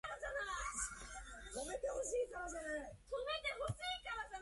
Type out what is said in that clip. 自分はお道化たお変人として、次第に完成されて行きました